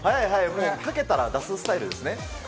もう書けたら出すスタイルですね。